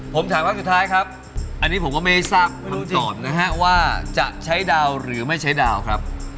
ผมถามครั้งสุดท้ายครับอันนี้ผมก็ไม่ทราบคำตอบนะฮะว่าจะใช้ดาวหรือไม่ใช้ดาวครับ